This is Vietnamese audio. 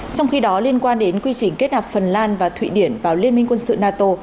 trong khi đó liên quan đến quy trình kết nạp phần lan và thụy điển vào liên minh quân sự nato